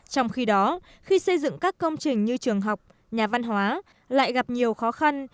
trong khi đó khi xây dựng các công trình như trường học nhà văn hóa lại gặp nhiều khó khăn